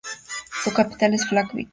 Su capital es Keflavík.